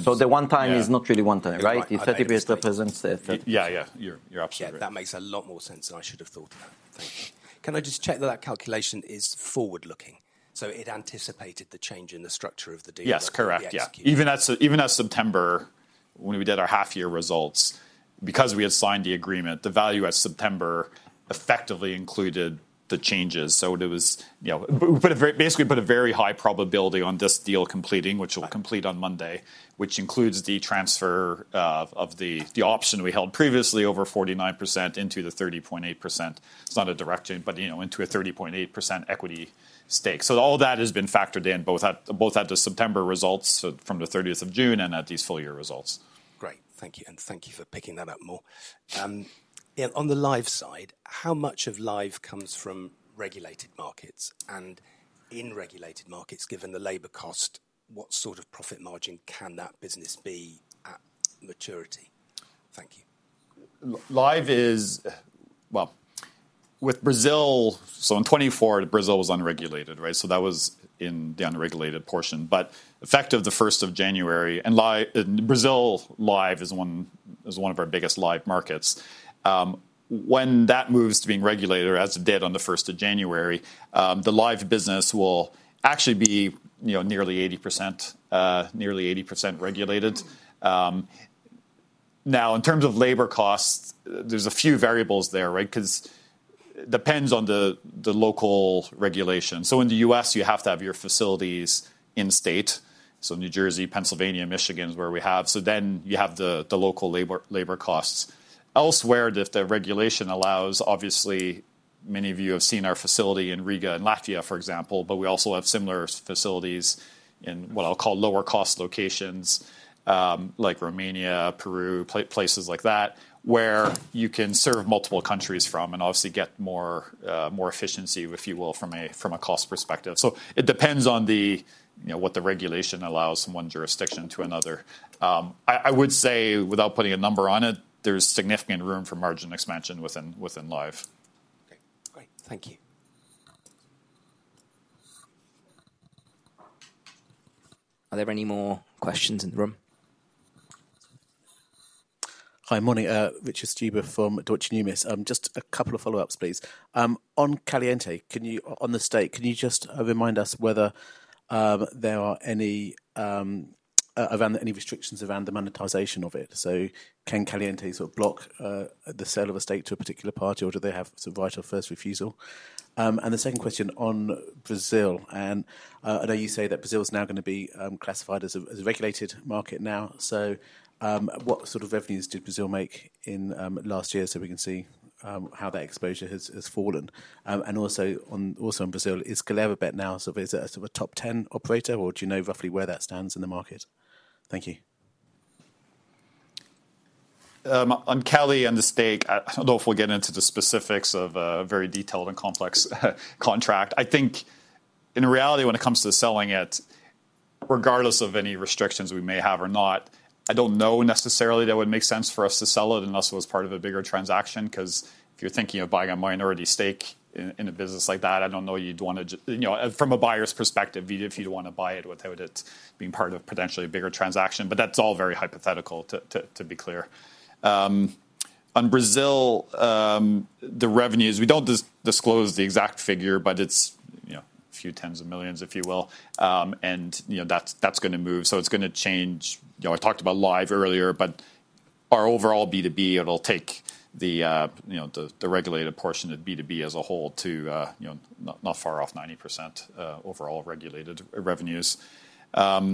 is not really one-time, right? 30% represents the 30. Yeah, yeah. You're absolutely right. That makes a lot more sense than I should have thought. Thank you. Can I just check that that calculation is forward-looking? It anticipated the change in the structure of the deal. Yes, correct. Yeah. Even as September, when we did our half-year results, because we had signed the agreement, the value as September effectively included the changes. We put a very, basically, we put a very high probability on this deal completing, which will complete on Monday, which includes the transfer of the option we held previously over 49% into the 30.8%. It is not a direct change, but into a 30.8% equity stake. All that has been factored in both at the September results from the 30th of June and at these full-year results. Great. Thank you. Thank you for picking that up, Mor. On the live side, how much of live comes from regulated markets? In regulated markets, given the labor cost, what sort of profit margin can that business be at maturity? Thank you. Live is, with Brazil, in 2024, Brazil was unregulated, right? That was in the unregulated portion. Effective the 1st of January, Brazil live is one of our biggest live markets. When that moves to being regulated, as it did on the 1st of January, the live business will actually be nearly 80% regulated. Now, in terms of labor costs, there's a few variables there, right? Because it depends on the local regulation. In the U.S., you have to have your facilities in state. New Jersey, Pennsylvania, Michigan is where we have. Then you have the local labor costs. Elsewhere, if the regulation allows, obviously, many of you have seen our facility in Riga in Latvia, for example, but we also have similar facilities in what I'll call lower-cost locations like Romania, Peru, places like that, where you can serve multiple countries from and obviously get more efficiency, if you will, from a cost perspective. It depends on what the regulation allows from one jurisdiction to another. I would say, without putting a number on it, there's significant room for margin expansion within live. Okay. Great. Thank you. Are there any more questions in the room? Hi, morning. Richard Stuber from Deutsche Numis. Just a couple of follow-ups, please. On Caliente, on the stake, can you just remind us whether there are any restrictions around the monetization of it? Can Caliente sort of block the sale of a stake to a particular party, or do they have some vital first refusal? The second question on Brazil. I know you say that Brazil is now going to be classified as a regulated market now. What sort of revenues did Brazil make in last year so we can see how that exposure has fallen? Also in Brazil, is Galera.bet now sort of a top 10 operator, or do you know roughly where that stands in the market? Thank you. On Caliente and the stake, I do not know if we are getting into the specifics of a very detailed and complex contract. I think in reality, when it comes to selling it, regardless of any restrictions we may have or not, I do not know necessarily that would make sense for us to sell it unless it was part of a bigger transaction. Because if you are thinking of buying a minority stake in a business like that, I do not know you would want to, from a buyer's perspective, if you would want to buy it without it being part of potentially a bigger transaction. That is all very hypothetical, to be clear. On Brazil, the revenues, we don't disclose the exact figure, but it's a few tens of millions, if you will. That's going to move. It's going to change. I talked about live earlier, but our overall B2B, it'll take the regulated portion of B2B as a whole to not far off 90% overall regulated revenues. I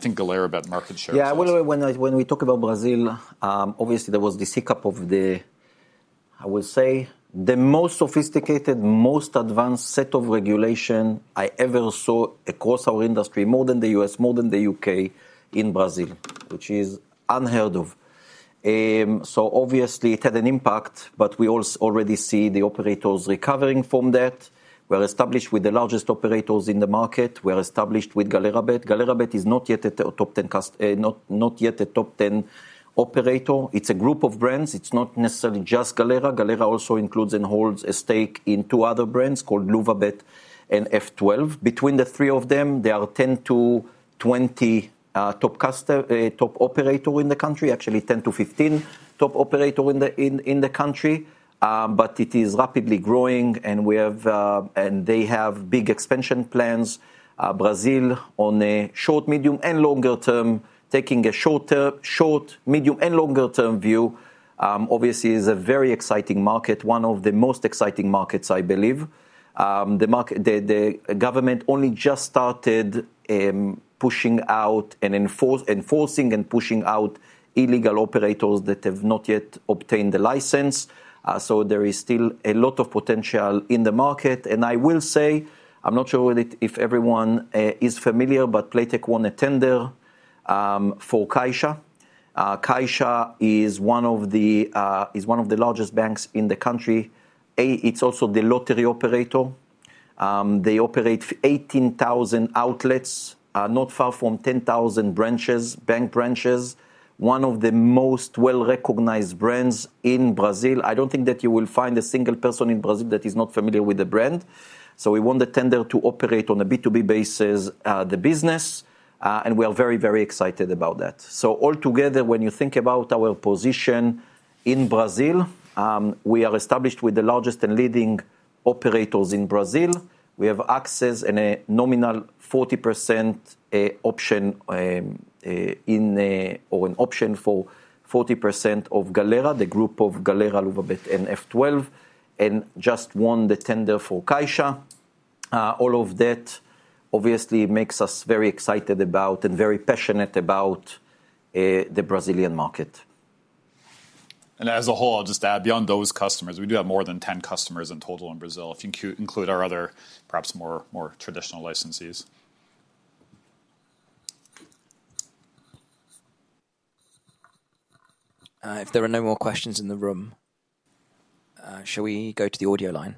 think Galera.bet market share is, yeah. When we talk about Brazil, obviously, there was the hiccup of the, I would say, the most sophisticated, most advanced set of regulation I ever saw across our industry, more than the U.S., more than the U.K., in Brazil, which is unheard of. It had an impact, but we already see the operators recovering from that. We are established with the largest operators in the market. We are established with Galera.bet. Galera.bet is not yet a top 10 operator. It's a group of brands. It's not necessarily just Galera.bet. Galera.bet also includes and holds a stake in two other brands called Luva.bet and F12. Between the three of them, there are 10 to 20 top operators in the country, actually 10 to 15 top operators in the country. It is rapidly growing, and they have big expansion plans. Brazil, on a short, medium, and longer term, taking a short, medium, and longer-term view, obviously, is a very exciting market, one of the most exciting markets, I believe. The government only just started pushing out and enforcing and pushing out illegal operators that have not yet obtained the license. There is still a lot of potential in the market. I will say, I'm not sure if everyone is familiar, but Playtech won a tender for Caixa. Caixa is one of the largest banks in the country. It's also the lottery operator. They operate 18,000 outlets, not far from 10,000 bank branches, one of the most well-recognized brands in Brazil. I don't think that you will find a single person in Brazil that is not familiar with the brand. We won the tender to operate on a B2B basis the business, and we are very, very excited about that. Altogether, when you think about our position in Brazil, we are established with the largest and leading operators in Brazil. We have access and a nominal 40% option or an option for 40% of Galera.bet, the group of Galera.bet, Luva.bet, and F12, and just won the tender for Caixa. All of that, obviously, makes us very excited about and very passionate about the Brazilian market. As a whole, I'll just add, beyond those customers, we do have more than 10 customers in total in Brazil, if you include our other, perhaps more traditional licensees. If there are no more questions in the room, shall we go to the audio line?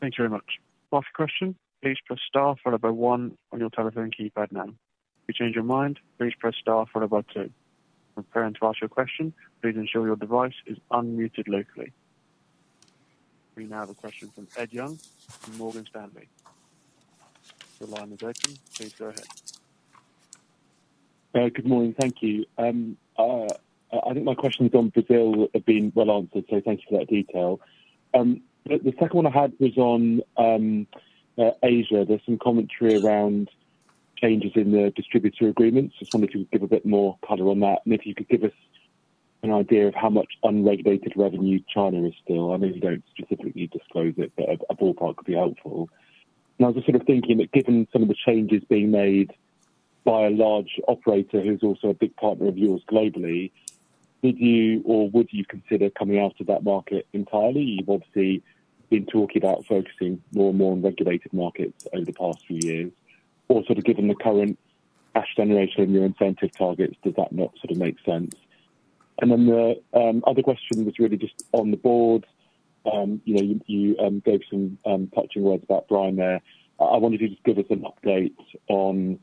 Thank you very much. Last question. Please press star for level one on your telephone keypad now. If you change your mind, please press star for level two. Preparing to ask your question, please ensure your device is unmuted locally. We now have a question from Ed Young from Morgan Stanley. The line is open. Please go ahead. Good morning. Thank you. I think my questions on Brazil have been well answered, so thank you for that detail. The second one I had was on Asia. There's some commentary around changes in the distributor agreements. I just wonder if you could give a bit more color on that, and if you could give us an idea of how much unregulated revenue China is still. I know you do not specifically disclose it, but a ballpark would be helpful. I was just sort of thinking that given some of the changes being made by a large operator who is also a big partner of yours globally, did you or would you consider coming out of that market entirely? You have obviously been talking about focusing more and more on regulated markets over the past few years. Also, given the current cash generation and your incentive targets, does that not sort of make sense? The other question was really just on the board. You gave some touching words about Brian there. I wonder if you could just give us an update on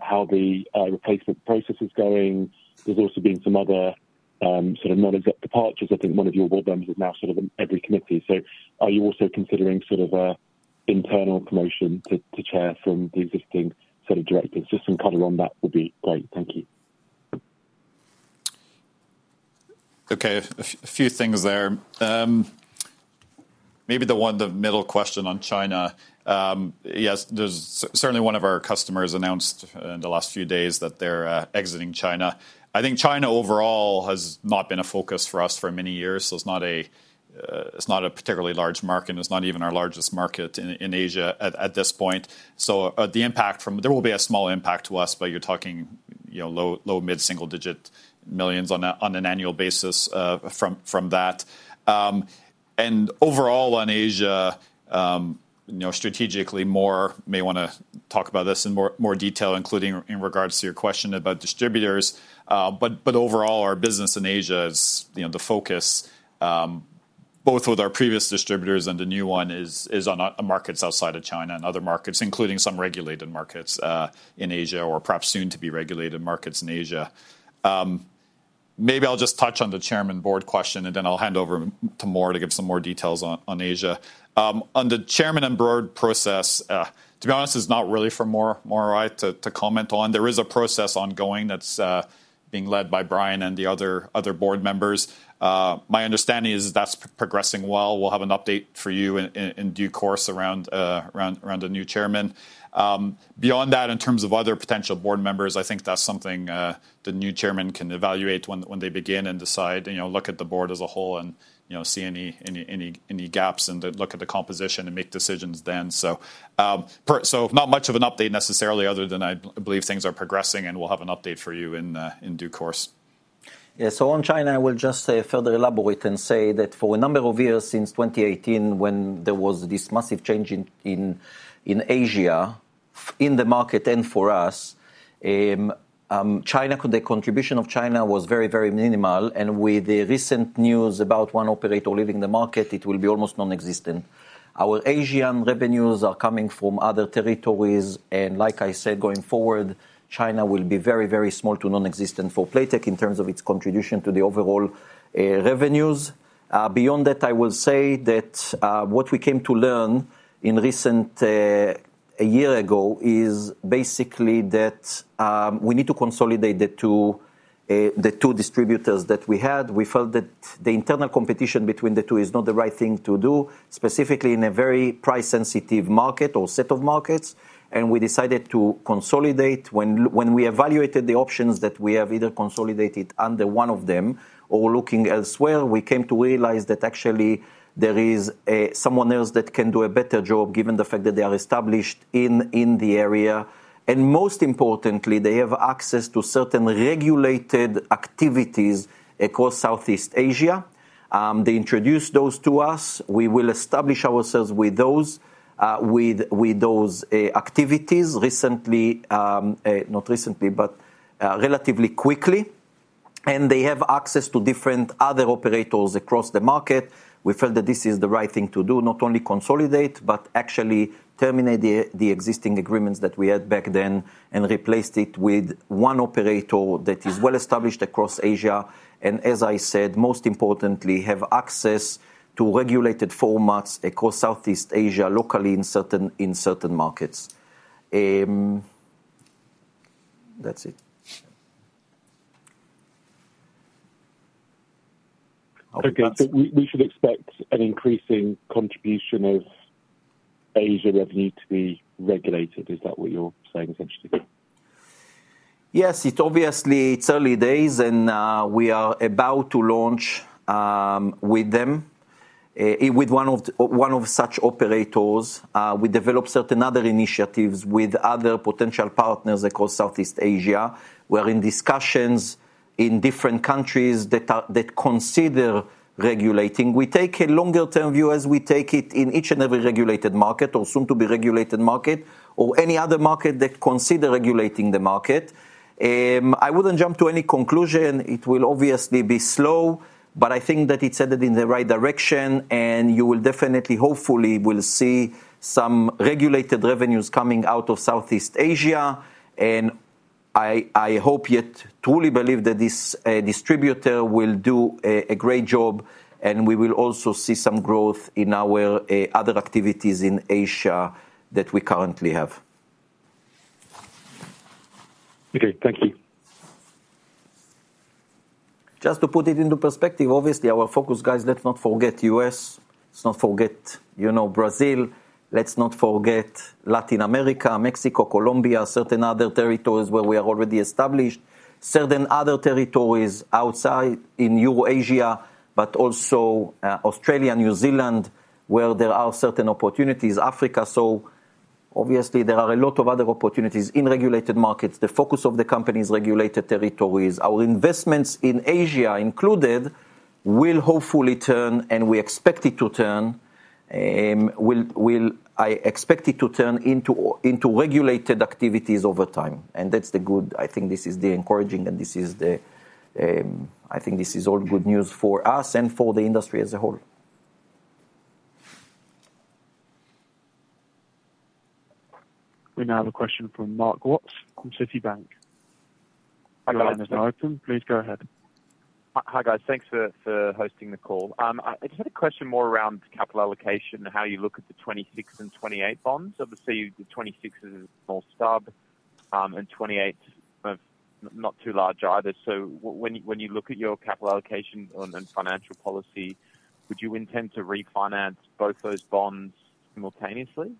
how the replacement process is going. There's also been some other sort of non-exact departures. I think one of your board members is now sort of on every committee. Are you also considering sort of an internal promotion to chair from the existing sort of directors? Just some color on that would be great. Thank you. Okay. A few things there. Maybe the one middle question on China. Yes, certainly one of our customers announced in the last few days that they're exiting China. I think China overall has not been a focus for us for many years. It is not a particularly large market, and it is not even our largest market in Asia at this point. There will be a small impact to us, but you're talking low, mid, single-digit millions on an annual basis from that. Overall, on Asia, strategically, Mor may want to talk about this in more detail, including in regards to your question about distributors. Overall, our business in Asia is the focus, both with our previous distributors and the new one, on markets outside of China and other markets, including some regulated markets in Asia or perhaps soon-to-be-regulated markets in Asia. Maybe I'll just touch on the Chairman board question, and then I'll hand over to Mor to give some more details on Asia. On the Chairman and Board process, to be honest, it's not really for Mor to comment on. There is a process ongoing that's being led by Brian and the other board members. My understanding is that's progressing well. We'll have an update for you in due course around the new Chairman. Beyond that, in terms of other potential board members, I think that's something the new Chairman can evaluate when they begin and decide, look at the board as a whole and see any gaps and look at the composition and make decisions then. Not much of an update necessarily other than I believe things are progressing, and we'll have an update for you in due course. Yeah. On China, I will just further elaborate and say that for a number of years since 2018, when there was this massive change in Asia in the market and for us, the contribution of China was very, very minimal. With the recent news about one operator leaving the market, it will be almost nonexistent. Our Asian revenues are coming from other territories. Like I said, going forward, China will be very, very small to nonexistent for Playtech in terms of its contribution to the overall revenues. Beyond that, I will say that what we came to learn a year ago is basically that we need to consolidate the two distributors that we had. We felt that the internal competition between the two is not the right thing to do, specifically in a very price-sensitive market or set of markets. We decided to consolidate. When we evaluated the options that we have, either consolidated under one of them or looking elsewhere, we came to realize that actually there is someone else that can do a better job given the fact that they are established in the area. Most importantly, they have access to certain regulated activities across Southeast Asia. They introduced those to us. We will establish ourselves with those activities recently, not recently, but relatively quickly. They have access to different other operators across the market. We felt that this is the right thing to do, not only consolidate, but actually terminate the existing agreements that we had back then and replace it with one operator that is well established across Asia. As I said, most importantly, have access to regulated formats across Southeast Asia locally in certain markets. That is it. Okay. We should expect an increasing contribution of Asia revenue to be regulated. Is that what you are saying, essentially? Yes. It is early days, and we are about to launch with them, with one of such operators. We developed certain other initiatives with other potential partners across Southeast Asia. We are in discussions in different countries that consider regulating. We take a longer-term view as we take it in each and every regulated market or soon-to-be-regulated market or any other market that considers regulating the market. I would not jump to any conclusion. It will obviously be slow, but I think that it is headed in the right direction, and you will definitely, hopefully, see some regulated revenues coming out of Southeast Asia. I hope yet truly believe that this distributor will do a great job, and we will also see some growth in our other activities in Asia that we currently have. Okay. Thank you. Just to put it into perspective, obviously, our focus, guys, let us not forget the U.S. Let us not forget Brazil. Let us not forget Latin America, Mexico, Colombia, certain other territories where we are already established, certain other territories outside in Eurasia, but also Australia and New Zealand where there are certain opportunities, Africa. Obviously, there are a lot of other opportunities in regulated markets. The focus of the company is regulated territories. Our investments in Asia, included, will hopefully turn, and we expect it to turn. I expect it to turn into regulated activities over time. That is the good. I think this is the encouraging, and I think this is all good news for us and for the industry as a whole. We now have a question from Mark Watts from Citibank. The line is now open. Please go ahead. Hi, guys. Thanks for hosting the call. I just had a question more around capital allocation and how you look at the 2026 and 2028 bonds. Obviously, the 2026 is more stub, and 2028 is not too large either. When you look at your capital allocation and financial policy, would you intend to refinance both those bonds simultaneously?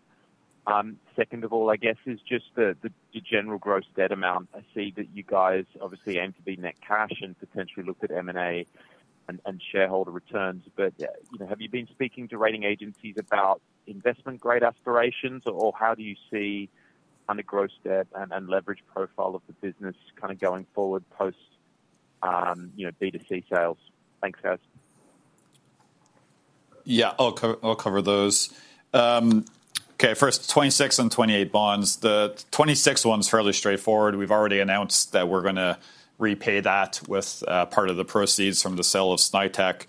Second of all, I guess, is just the general gross debt amount. I see that you guys obviously aim to be net cash and potentially look at M&A and shareholder returns. Have you been speaking to rating agencies about investment-grade aspirations, or how do you see the gross debt and leverage profile of the business kind of going forward post B2C sales? Thanks, guys. Yeah. I'll cover those. Okay. First, 2026 and 2028 bonds. The 2026 one's fairly straightforward. We've already announced that we're going to repay that with part of the proceeds from the sale of Snaitech.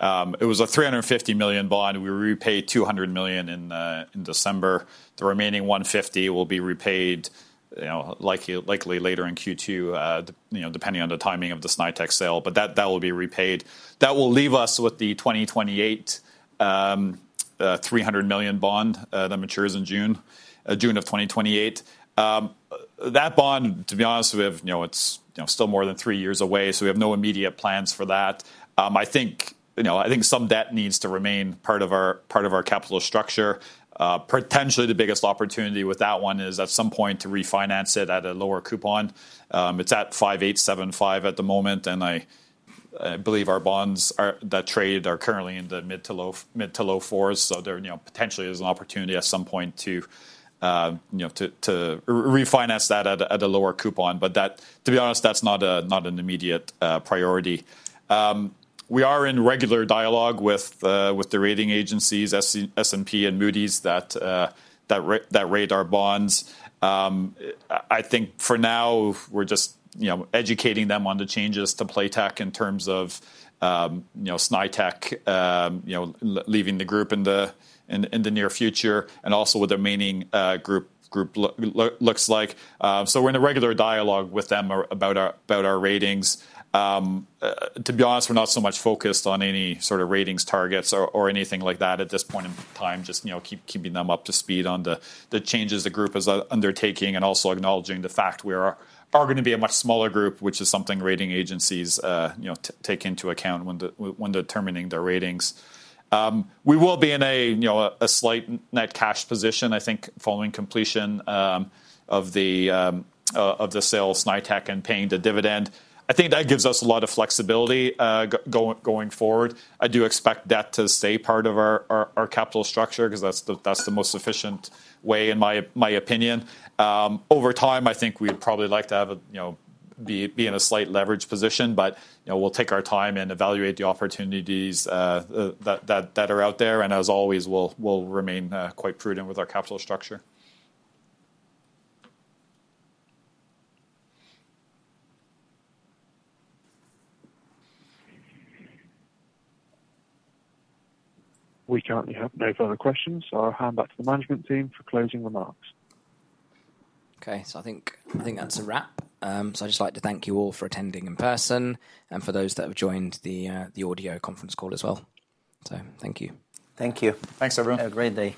It was a 350 million bond. We repay 200 million in December. The remaining 150 million will be repaid likely later in Q2, depending on the timing of the Snaitech sale. That will be repaid. That will leave us with the 2028 300 million bond that matures in June of 2028. That bond, to be honest, we have it's still more than three years away, so we have no immediate plans for that. I think some debt needs to remain part of our capital structure. Potentially, the biggest opportunity with that one is at some point to refinance it at a lower coupon. It's at 5.875% at the moment, and I believe our bonds that trade are currently in the mid to low 4%. There potentially is an opportunity at some point to refinance that at a lower coupon. To be honest, that's not an immediate priority. We are in regular dialogue with the rating agencies, S&P and Moody's, that rate our bonds. I think for now, we're just educating them on the changes to Playtech in terms of Snaitech leaving the group in the near future and also what the remaining group looks like. We're in regular dialogue with them about our ratings. To be honest, we're not so much focused on any sort of ratings targets or anything like that at this point in time, just keeping them up to speed on the changes the group is undertaking and also acknowledging the fact we are going to be a much smaller group, which is something rating agencies take into account when determining their ratings. We will be in a slight net cash position, I think, following completion of the sale of Snaitech and paying the dividend. I think that gives us a lot of flexibility going forward. I do expect that to stay part of our capital structure because that's the most efficient way, in my opinion. Over time, I think we'd probably like to be in a slight leverage position, but we'll take our time and evaluate the opportunities that are out there. As always, we'll remain quite prudent with our capital structure. We can't have no further questions. I'll hand back to the management team for closing remarks. I think that's a wrap. I'd just like to thank you all for attending in person and for those that have joined the audio conference call as well. Thank you. Thank you. Thanks, everyone. Have a great day.